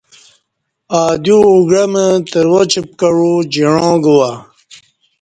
ا دیو اگعمہ ترواچ پکعو جعاں گوا ۔